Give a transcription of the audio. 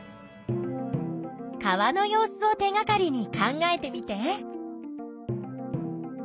川の様子を手がかりに考えてみて。